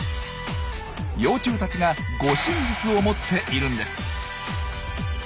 幼虫たちが「護身術」を持っているんです。